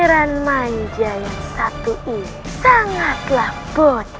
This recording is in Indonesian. saya merug expectrait